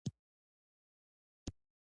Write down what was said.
چې څنګه علم ته وده ورکړو.